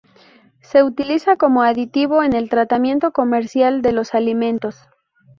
Se utiliza como aditivo en el tratamiento comercial de los alimentos.